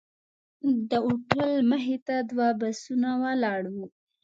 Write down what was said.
د هوټل مخې ته دوه بسونه ولاړ وو.